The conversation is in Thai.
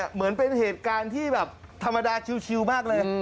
เหมือนเป็นเหตุการณ์ที่แบบธรรมดาชิวมากเลย